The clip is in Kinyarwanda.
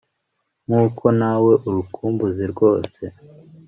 nk'uko na we urukumbuzi rwose